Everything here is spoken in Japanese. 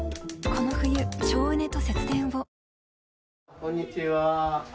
こんにちは。